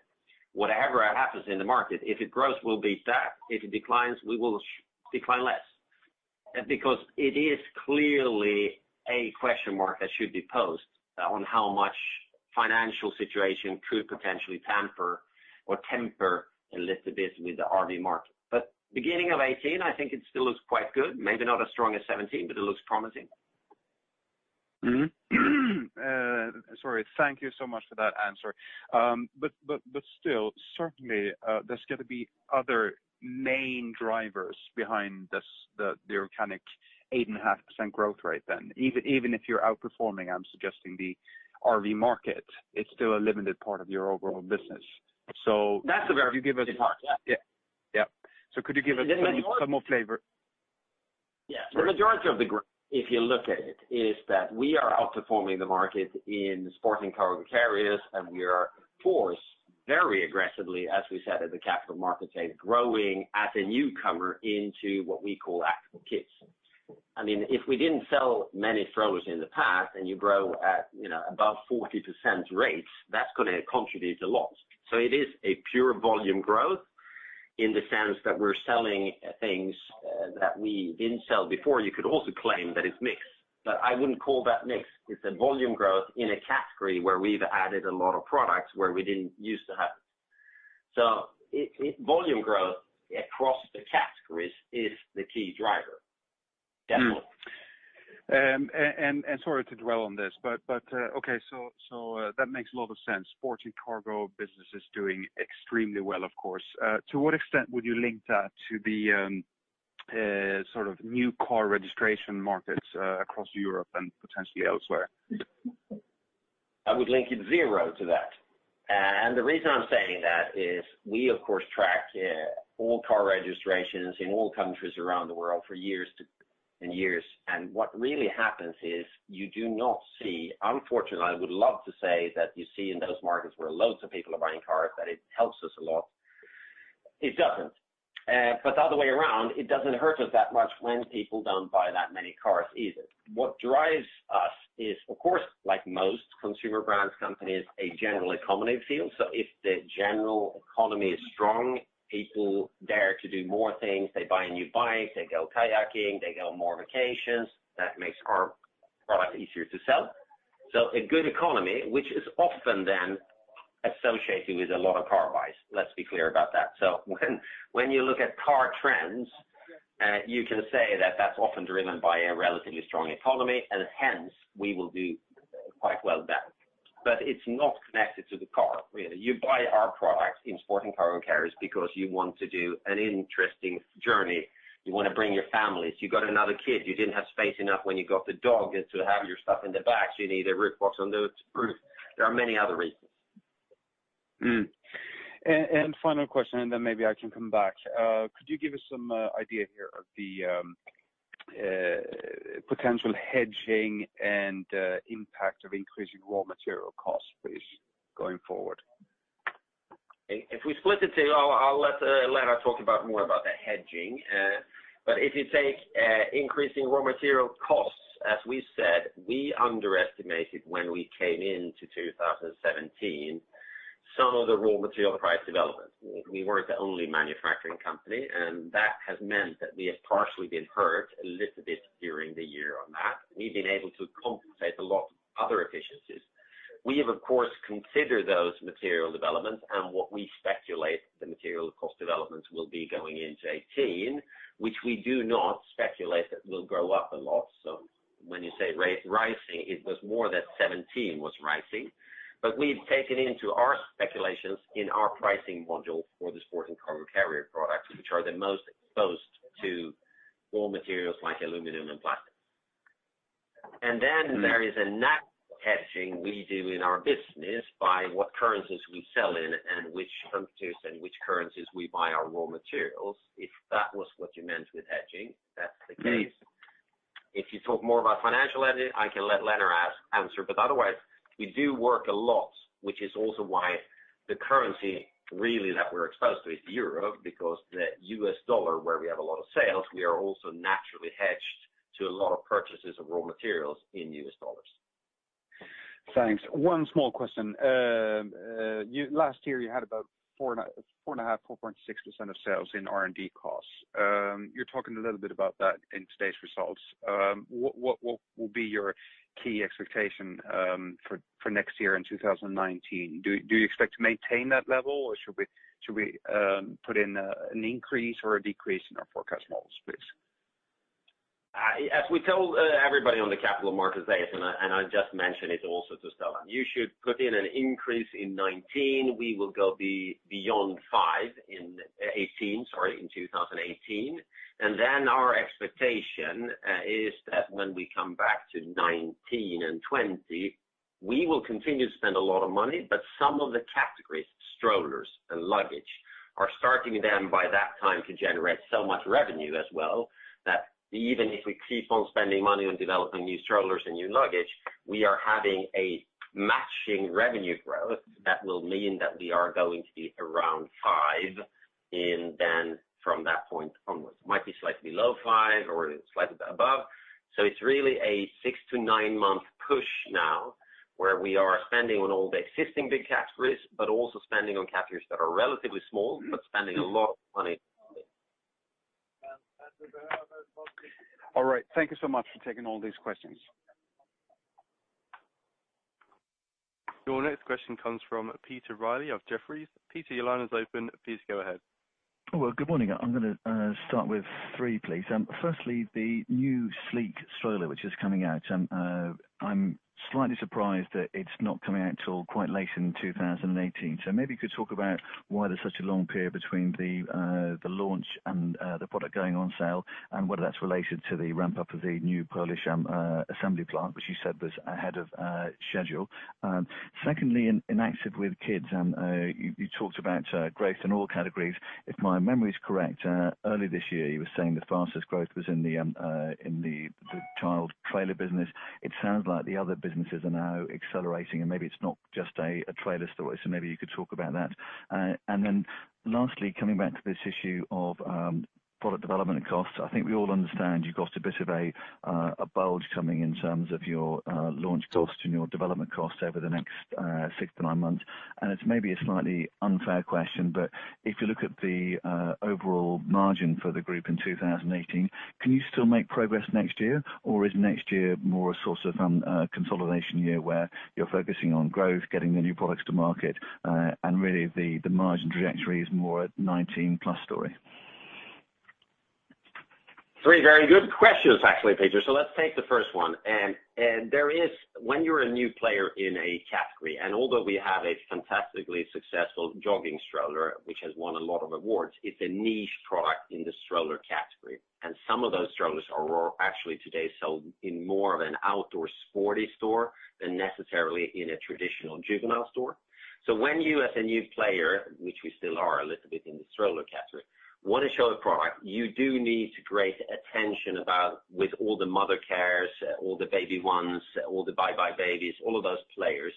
S1: "Whatever happens in the market, if it grows, we'll beat that. If it declines, we will decline less." It is clearly a question mark that should be posed on how much financial situation could potentially pamper or temper a little bit with the RV market. Beginning of 2018, I think it still looks quite good. Maybe not as strong as 2017, it looks promising.
S5: Sorry. Thank you so much for that answer. Still, certainly, there's got to be other main drivers behind the organic 8.5% growth rate then. Even if you're outperforming, I'm suggesting, the RV market, it's still a limited part of your overall business.
S1: That's a very good part. Yeah.
S5: Yeah. Could you give us some more flavor?
S1: Yeah. The majority of the growth, if you look at it, is that we are outperforming the market in Sport & Cargo Carriers, and we are, of course, very aggressively, as we said at the Capital Markets Day, growing as a newcomer into what we call Active with Kids. If we didn't sell many strollers in the past and you grow at above 40% rates, that's going to contribute a lot. It is a pure volume growth in the sense that we're selling things that we didn't sell before. You could also claim that it's mixed, but I wouldn't call that mixed. It's a volume growth in a category where we've added a lot of products where we didn't used to have. Volume growth across the categories is the key driver, definitely.
S5: Sorry to dwell on this, okay, that makes a lot of sense. Sports and cargo business is doing extremely well, of course. To what extent would you link that to the new car registration markets across Europe and potentially elsewhere?
S1: I would link it zero to that. The reason I'm saying that is we, of course, track all car registrations in all countries around the world for years and years. What really happens is you do not see. Unfortunately, I would love to say that you see in those markets where loads of people are buying cars, that it helps us a lot. It doesn't. The other way around, it doesn't hurt us that much when people don't buy that many cars either. What drives us is, of course, like most consumer brands companies, a general economy field. If the general economy is strong, people dare to do more things. They buy a new bike, they go kayaking, they go more vacations. That makes our product easier to sell. A good economy, which is often then associated with a lot of car buys. Let's be clear about that. When you look at car trends, you can say that that's often driven by a relatively strong economy, and hence, we will do quite well there. It's not connected to the car, really. You buy our products in Sport & Cargo Carriers because you want to do an interesting journey. You want to bring your families. You got another kid. You didn't have space enough when you got the dog to have your stuff in the back, you need a roof box on the roof. There are many other reasons.
S5: Final question, then maybe I can come back. Could you give us some idea here of the potential hedging and impact of increasing raw material costs, please, going forward?
S1: If we split it, I'll let Lennart talk about more about the hedging. If you take increasing raw material costs, as we said, we underestimated when we came into 2017. Some of the raw material price development. We weren't the only manufacturing company, that has meant that we have partially been hurt a little bit during the year on that. We've been able to compensate a lot other efficiencies. We have, of course, considered those material developments and what we speculate the material cost developments will be going into 2018, which we do not speculate that will grow up a lot. When you say rising, it was more that 2017 was rising. We've taken into our speculations in our pricing module for the Sport & Cargo Carriers products, which are the most exposed to raw materials like aluminum and plastic. There is a natural hedging we do in our business by what currencies we sell in and which countries and which currencies we buy our raw materials, if that was what you meant with hedging, that's the case. If you talk more about financial hedging, I can let Lennart answer. Otherwise, we do work a lot, which is also why the currency really that we're exposed to is the euro because the U.S. dollar, where we have a lot of sales, we are also naturally hedged to a lot of purchases of raw materials in U.S. dollars.
S5: Thanks. One small question. Last year you had about 4.5%, 4.6% of sales in R&D costs. You were talking a little bit about that in today's results. What will be your key expectation for next year in 2019? Do you expect to maintain that level or should we put in an increase or a decrease in our forecast models, please?
S1: As we told everybody on the Capital Markets Day, I just mentioned it also to Stellan, you should put in an increase in 2019. We will go beyond five in 2018, sorry, in 2018. Our expectation is that when we come back to 2019 and 2020, we will continue to spend a lot of money, but some of the categories, strollers and luggage, are starting then by that time to generate so much revenue as well that even if we keep on spending money on developing new strollers and new luggage, we are having a matching revenue growth that will mean that we are going to be around five from that point onwards. Might be slightly below five or slightly above. It's really a 6 to 9-month push now where we are spending on all the existing big categories, but also spending on categories that are relatively small but spending a lot of money.
S5: All right. Thank you so much for taking all these questions.
S3: Your next question comes from Peter Reilly of Jefferies. Peter, your line is open. Please go ahead.
S6: Well, good morning. I'm going to start with three, please. Firstly, the new Sleek stroller which is coming out. I'm slightly surprised that it's not coming out till quite late in 2018. Maybe you could talk about why there's such a long period between the launch and the product going on sale and whether that's related to the ramp-up of the new Polish assembly plant which you said was ahead of schedule. Secondly, in Active with Kids, you talked about growth in all categories. If my memory is correct, earlier this year you were saying the fastest growth was in the child trailer business. It sounds like the other businesses are now accelerating and maybe it's not just a trailer story, maybe you could talk about that. Lastly, coming back to this issue of product development and costs, I think we all understand you've got a bit of a bulge coming in terms of your launch costs and your development costs over the next six to nine months. It's maybe a slightly unfair question, but if you look at the overall margin for the group in 2018, can you still make progress next year or is next year more a sort of consolidation year where you're focusing on growth, getting the new products to market, and really the margin trajectory is more a 2019 plus story?
S1: Three very good questions actually, Peter. Let's take the first one. When you're a new player in a category, and although we have a fantastically successful jogging stroller which has won a lot of awards, it's a niche product in the stroller category. Some of those strollers are actually today sold in more of an outdoor sporty store than necessarily in a traditional juvenile store. When you as a new player, which we still are a little bit in the stroller category, want to show a product, you do need to create attention with all the Mothercares, all the BabyOnes, all the buybuy BABY, all of those players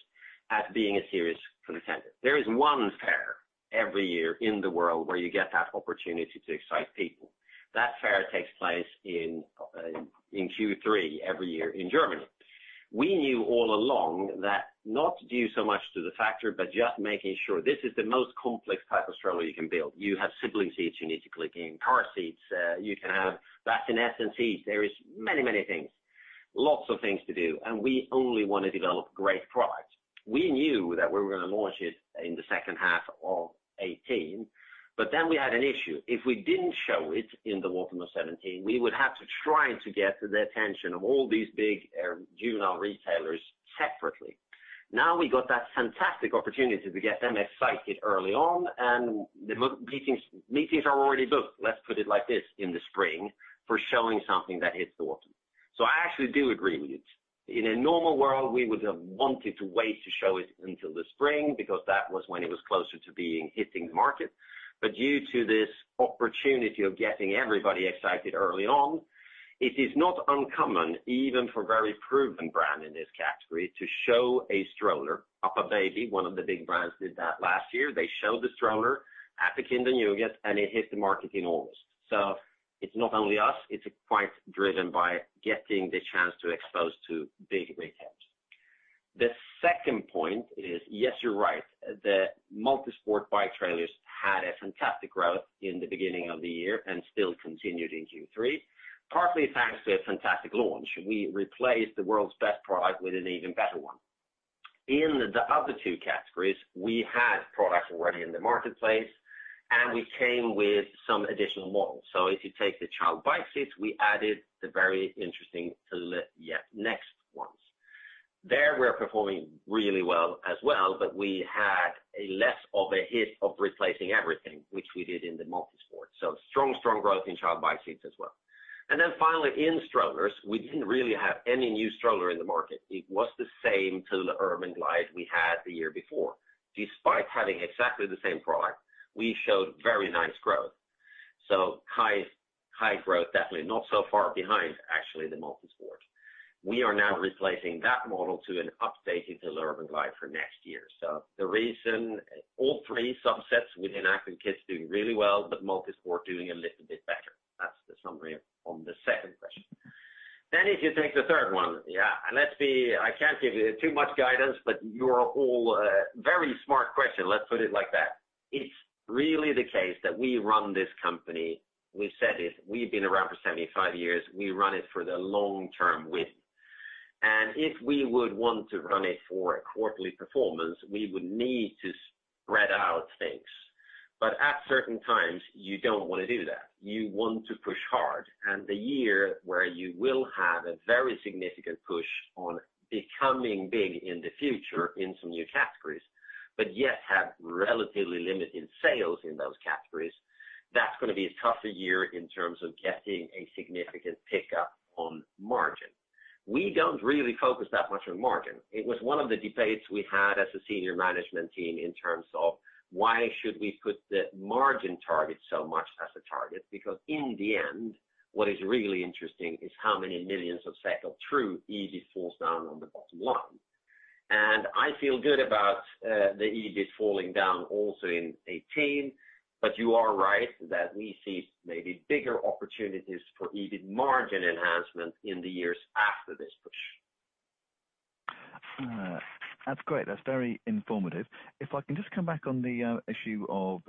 S1: as being a serious contender. There is one fair every year in the world where you get that opportunity to excite people. That fair takes place in Q3 every year in Germany. We knew all along that not due so much to the factor, but just making sure this is the most complex type of stroller you can build. You have sibling seats you need to click in, car seats you can have, bassinet seats. There is many things. Lots of things to do, and we only want to develop great products. We knew that we were going to launch it in the second half of 2018. We had an issue. If we didn't show it in the autumn of 2017, we would have to try to get the attention of all these big juvenile retailers separately. Now we got that fantastic opportunity to get them excited early on and the meetings are already booked, let's put it like this, in the spring for showing something that hits the autumn. I actually do agree with you. In a normal world, we would have wanted to wait to show it until the spring because that was when it was closer to hitting the market. Due to this opportunity of getting everybody excited early on, it is not uncommon, even for a very proven brand in this category to show a stroller. UPPAbaby, one of the big brands, did that last year. They showed the stroller at the Kind + Jugend, and it hit the market in August. It's not only us, it's quite driven by getting the chance to expose to big retailers. The second point is, yes, you're right. The multisport bike trailers had a fantastic growth in the beginning of the year and still continued in Q3, partly thanks to a fantastic launch. We replaced the world's best product with an even better one. In the other two categories, we had products already in the marketplace, and we came with some additional models. If you take the child bike seats, we added the very interesting Thule Yepp Nexxt ones. There, we are performing really well as well, but we had a less of a hit of replacing everything, which we did in the multisport. Strong growth in child bike seats as well. Finally, in strollers, we didn't really have any new stroller in the market. It was the same Thule Urban Glide we had the year before. Despite having exactly the same product, we showed very nice growth. High growth, definitely not so far behind, actually, the multisport. We are now replacing that model to an updated Thule Urban Glide for next year. The reason all three subsets within Active Kids doing really well, but multisport doing a little bit better. That's the summary on the second question. If you take the third one, yeah, I can't give you too much guidance, but you're all very smart question, let's put it like that. It's really the case that we run this company. We said it, we've been around for 75 years. We run it for the long term win, and if we would want to run it for a quarterly performance, we would need to spread out things. At certain times, you don't want to do that. You want to push hard, the year where you will have a very significant push on becoming big in the future in some new categories, but yet have relatively limited sales in those categories, that's going to be a tougher year in terms of getting a significant pickup on margin. We don't really focus that much on margin. It was one of the debates we had as a senior management team in terms of why should we put the margin target so much as a target, because in the end, what is really interesting is how many millions of SEK of true EBIT falls down on the bottom line. I feel good about the EBIT falling down also in 2018. You are right that we see maybe bigger opportunities for EBIT margin enhancement in the years after this push.
S6: That's great. That's very informative. If I can just come back on the issue of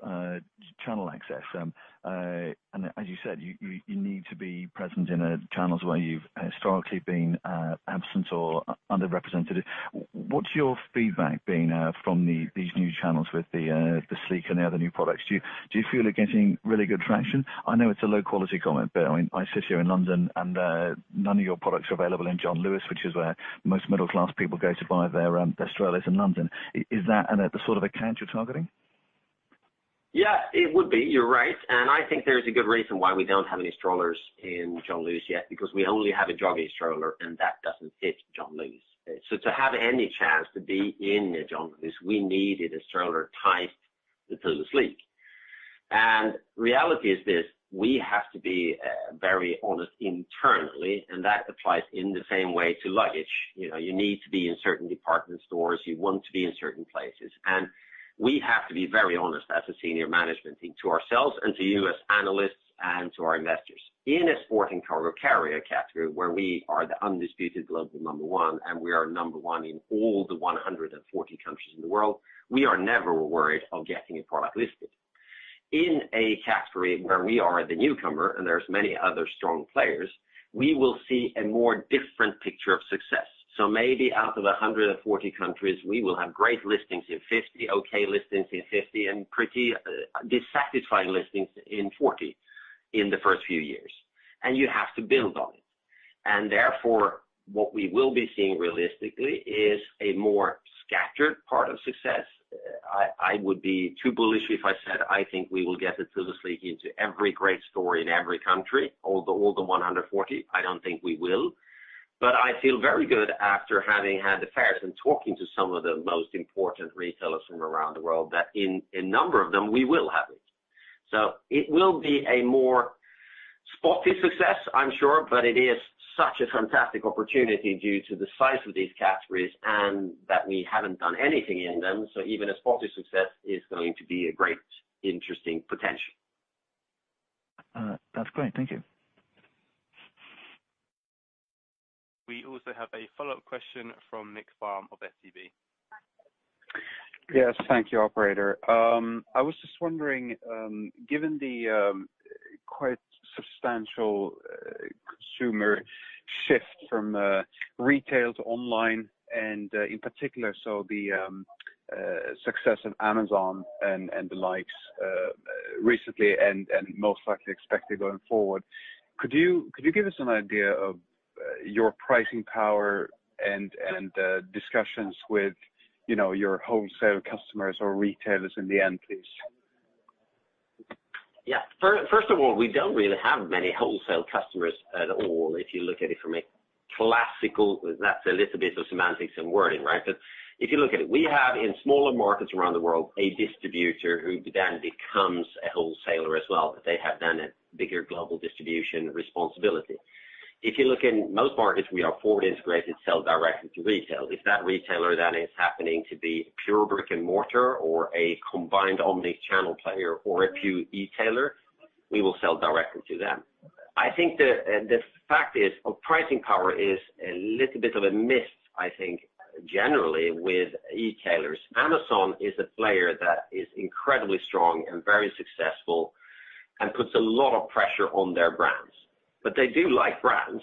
S6: channel access, as you said, you need to be present in channels where you've historically been absent or underrepresented. What's your feedback been from these new channels with the Sleek and the other new products? Do you feel you're getting really good traction? I know it's a low-quality comment, but I sit here in London and none of your products are available in John Lewis, which is where most middle-class people go to buy their strollers in London. Is that the sort of account you're targeting?
S1: Yeah, it would be. You're right. I think there is a good reason why we don't have any strollers in John Lewis yet, because we only have a jogging stroller, and that doesn't fit John Lewis. To have any chance to be in a John Lewis, we needed a stroller type, the Thule Sleek. Reality is this, we have to be very honest internally, that applies in the same way to luggage. You need to be in certain department stores. You want to be in certain places, we have to be very honest as a senior management team to ourselves and to you as analysts and to our investors. In a Sport and Cargo Carrier category where we are the undisputed global number one, we are number one in all the 140 countries in the world, we are never worried of getting a product listed. In a category where we are the newcomer and there's many other strong players, we will see a more different picture of success. Maybe out of 140 countries, we will have great listings in 50, okay listings in 50, and pretty dissatisfying listings in 40 in the first few years. You have to build on it. Therefore, what we will be seeing realistically is a more scattered part of success. I would be too bullish if I said I think we will get the Thule Sleek into every great store in every country, all the 140. I don't think we will. I feel very good after having had the fairs and talking to some of the most important retailers from around the world that in a number of them, we will have it. It will be a more spotty success, I'm sure. It is such a fantastic opportunity due to the size of these categories and that we haven't done anything in them. Even a spotty success is going to be a great, interesting potential.
S6: That's great. Thank you.
S3: We also have a follow-up question from Niklas Fhärm of SEB.
S5: Yes. Thank you, operator. I was just wondering, given the quite substantial consumer shift from retail to online and in particular, the success of Amazon and the likes recently and most likely expected going forward, could you give us an idea of your pricing power and discussions with your wholesale customers or retailers in the end, please?
S1: Yeah. First of all, we don't really have many wholesale customers at all. If you look at it from a classical, that's a little bit of semantics and wording, right? If you look at it, we have in smaller markets around the world, a distributor who becomes a wholesaler as well. They have a bigger global distribution responsibility. If you look in most markets, we are forward-integrated, sell directly to retail. If that retailer is happening to be pure brick and mortar or a combined omnichannel player or a pure e-tailer, we will sell directly to them. I think the fact is of pricing power is a little bit of a myth, I think, generally with e-tailers. Amazon is a player that is incredibly strong and very successful and puts a lot of pressure on their brands. They do like brands,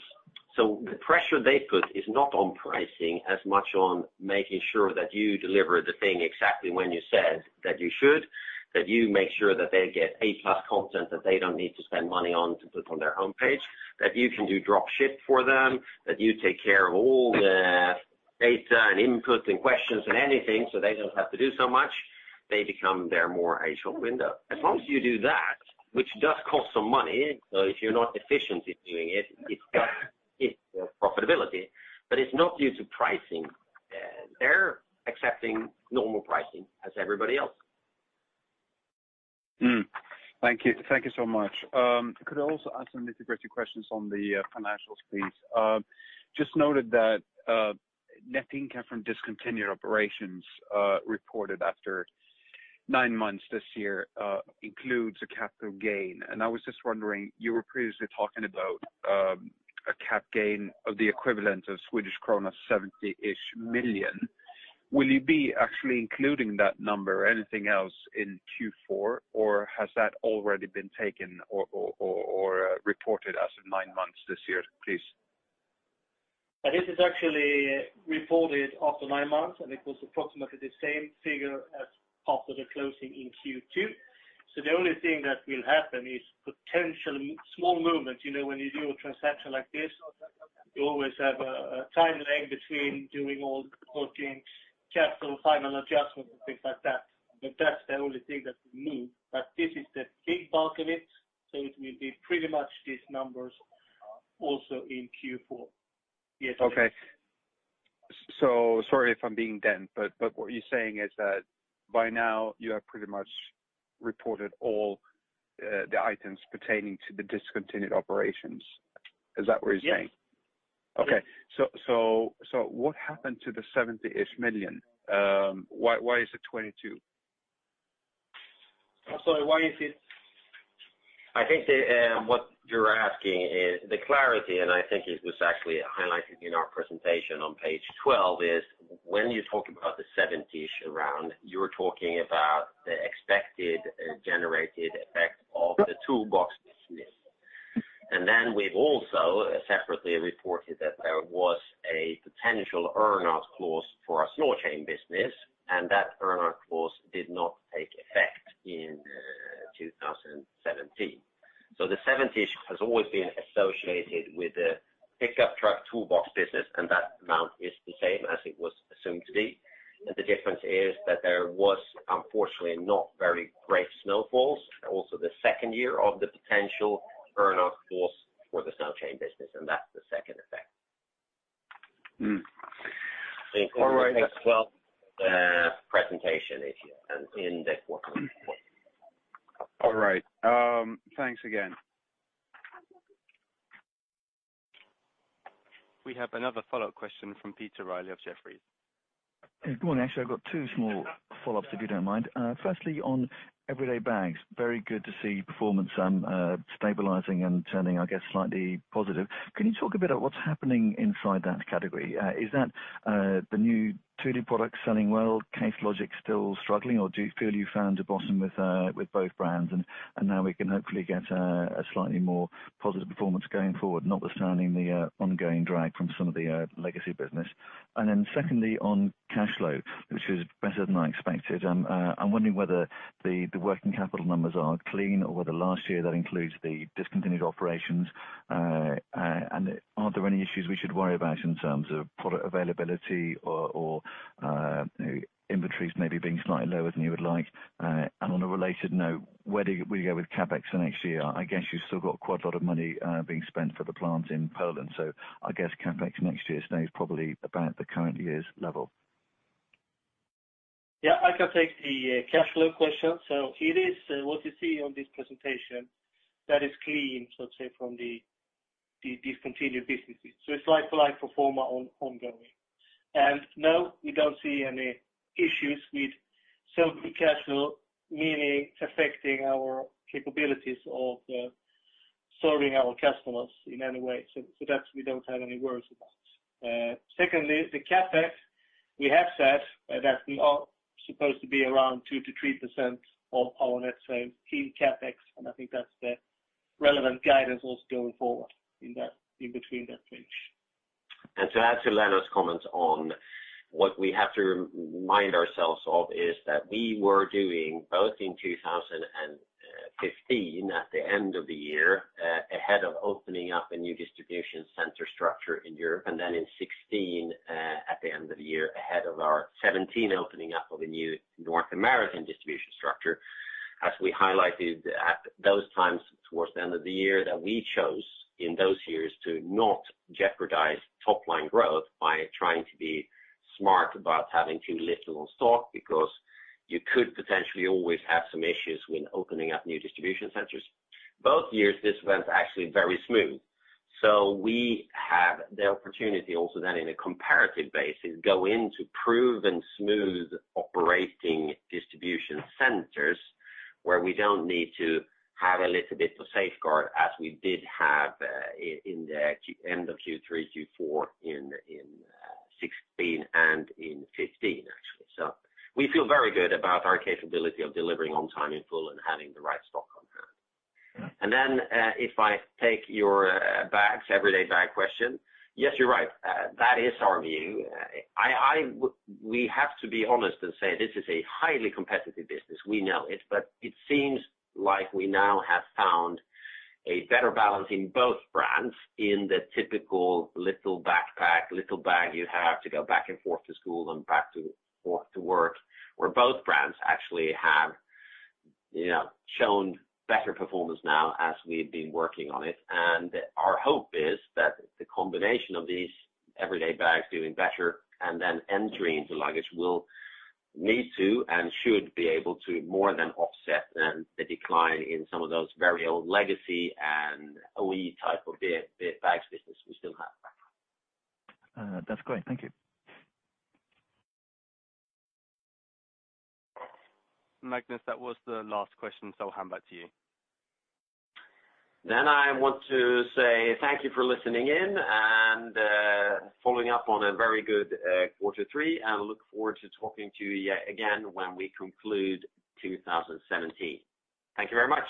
S1: the pressure they put is not on pricing as much on making sure that you deliver the thing exactly when you said that you should, that you make sure that they get A+ Content that they don't need to spend money on to put on their homepage, that you can do drop-ship for them, that you take care of all the data and input and questions and anything, they don't have to do so much. They become their more a shop window. As long as you do that, which does cost some money, if you're not efficient in doing it does hit your profitability, it's not due to pricing. They're accepting normal pricing as everybody else.
S5: Thank you so much. Could I also ask some nitty-gritty questions on the financials, please? Just noted that netting cash from discontinued operations reported after nine months this year includes a capital gain. I was just wondering, you were previously talking about a cap gain of the equivalent of Swedish krona 70-ish million. Will you be actually including that number or anything else in Q4, or has that already been taken or reported as of nine months this year, please?
S2: This is actually reported after nine months, it was approximately the same figure as after the closing in Q2. The only thing that will happen is potential small movement. When you do a transaction like this, you always have a time lag between doing all the reporting, capital, final adjustments, and things like that. That's the only thing that will move. This is the big bulk of it will be pretty much these numbers also in Q4.
S5: Okay. Sorry if I'm being dense, what you're saying is that by now you have pretty much reported all the items pertaining to the discontinued operations. Is that what you're saying?
S2: Yes.
S5: Okay. What happened to the 70-ish million? Why is it 22?
S2: I'm sorry, why is it?
S1: I think what you're asking is the clarity, I think it was actually highlighted in our presentation on page 12, is when you talk about the 70-ish around, you're talking about the expected generated effect of the toolbox business. Then we've also separately reported that there was a potential earn-out clause for our snow chain business, and that earn-out clause did not take effect in 2017. The 70-ish has always been associated with the pickup truck toolbox business, and that amount is the same as it was assumed to be. The difference is that there was unfortunately not very great snowfalls, also the second year of the potential earn-out clause for the snow chain business, and that's the second effect.
S5: All right.
S1: Page 12 presentation is in the quarter report.
S5: All right. Thanks again.
S3: We have another follow-up question from Peter Reilly of Jefferies.
S6: Good morning. Actually, I've got two small follow-ups, if you don't mind. Firstly, on Everyday bags, very good to see performance stabilizing and turning, I guess, slightly positive. Can you talk a bit about what's happening inside that category? Is that the new Thule product selling well, Case Logic still struggling, or do you feel you found a bottom with both brands and now we can hopefully get a slightly more positive performance going forward, notwithstanding the ongoing drag from some of the legacy business? Then secondly, on cash flow, which was better than I expected, I'm wondering whether the working capital numbers are clean or whether last year that includes the discontinued operations. Are there any issues we should worry about in terms of product availability or inventories maybe being slightly lower than you would like? On a related note, where do we go with CapEx next year? I guess you've still got quite a lot of money being spent for the plant in Piła, so I guess CapEx next year stays probably about the current year's level.
S2: I can take the cash flow question. It is what you see on this presentation that is clean, so to say, from the discontinued businesses. It's like for like for format on ongoing. No, we don't see any issues with selling the cash flow, meaning affecting our capabilities of serving our customers in any way. That we don't have any worries about. Secondly, the CapEx, we have said that we are supposed to be around 2%-3% of our net sales in CapEx, and I think that's the relevant guidance also going forward in between that range.
S1: To add to Lennart's comments on what we have to remind ourselves of is that we were doing both in 2015 at the end of the year, ahead of opening up a new distribution center structure in Europe, then in 2016, at the end of the year, ahead of our 2017 opening up of a new North American distribution structure. As we highlighted at those times towards the end of the year, that we chose in those years to not jeopardize top-line growth by trying to be smart about having too little on stock, because you could potentially always have some issues when opening up new distribution centers. Both years, this went actually very smooth. We have the opportunity also then in a comparative basis, go into proven smooth operating distribution centers where we don't need to have a little bit of safeguard as we did have in the end of Q3, Q4 in 2016 and in 2015, actually. We feel very good about our capability of delivering on time, in full, and having the right stock on hand. Then if I take your bags, everyday bag question, yes, you're right. That is our view. We have to be honest and say this is a highly competitive business. We know it, but it seems like we now have found a better balance in both brands in the typical little backpack, little bag you have to go back and forth to school and back to work, where both brands actually have shown better performance now as we've been working on it. Our hope is that the combination of these everyday bags doing better and then entry into luggage will need to and should be able to more than offset the decline in some of those very old legacy and OE type of bags business we still have.
S6: That's great. Thank you.
S3: Magnus, that was the last question. I'll hand back to you.
S1: I want to say thank you for listening in and following up on a very good quarter three, and look forward to talking to you again when we conclude 2017. Thank you very much.